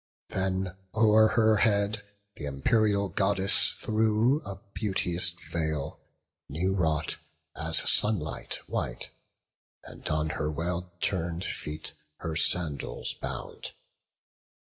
Then o'er her head th' imperial Goddess threw A beauteous veil, new wrought, as sunlight white; And on her well turn'd feet her sandals bound.